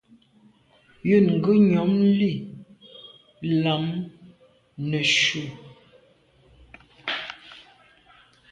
Yen ngub nyàm li lam neshu.